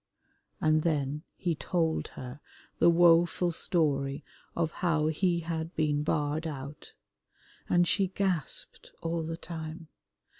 And then he told her the woful story of how he had been barred out, and she gasped all the time.